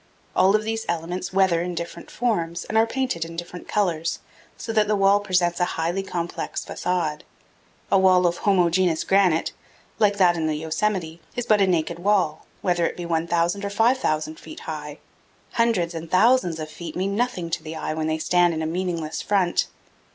All of these elements weather in different forms and are painted in different colors, so that the wall presents a highly complex facade. A wall of homogeneous granite, like that in the Yosemite, is but a naked wall, whether it be 1,000 or 5,000 feet high. Hundreds and thousands of feet mean nothing to the eye when they stand in a meaningless front.